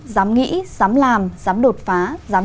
dám nghĩ dám làm